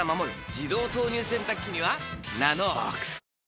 自動投入洗濯機には「ＮＡＮＯＸ」